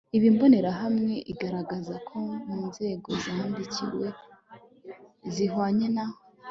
Iyi Mbonerahamwe igaragaza ko mu Nzego zandikiwe zihwanye na